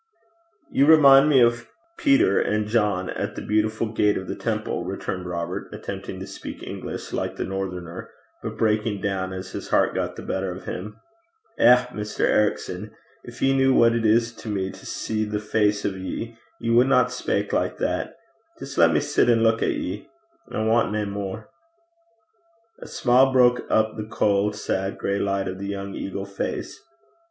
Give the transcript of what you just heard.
'You remind me of Peter and John at the Beautiful Gate of the temple,' returned Robert, attempting to speak English like the Northerner, but breaking down as his heart got the better of him. 'Eh! Mr. Ericson, gin ye kent what it is to me to see the face o' ye, ye wadna speyk like that. Jist lat me sit an' leuk at ye. I want nae mair.' A smile broke up the cold, sad, gray light of the young eagle face.